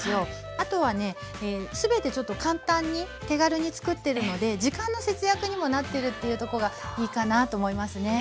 あとはね全てちょっと簡単に手軽につくってるので時間の節約にもなってるというとこがいいかなと思いますね。